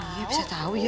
iya bisa tau ya